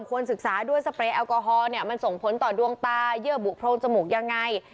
ควรศึกษาด้วยสเปรยแอลกอฮอล์เนี่ยมันส่งผลต่อดวงตาเยื่อบุโพรงจมูกยังไง